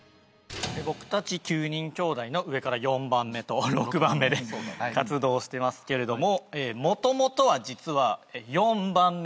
僕たち９人きょうだいの上から４番目と６番目で活動してますけれども。